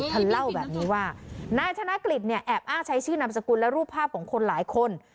เธอเล่าแบบนี้ว่านายธนกฤษเนี่ยแอบอ้างใช้ชื่อนามสกุลและรูปภาพของคนหลายคน